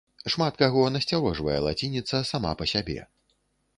Шмат каго насцярожвае лацініца сама па сябе.